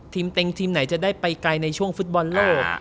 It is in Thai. เต็งทีมไหนจะได้ไปไกลในช่วงฟุตบอลโลก